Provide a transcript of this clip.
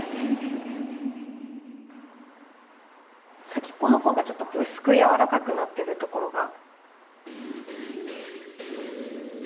先っぽのほうがちょっとうすくやわらかくなってるところが。